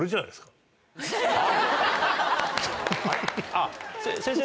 あっ先生